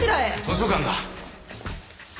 図書館だ。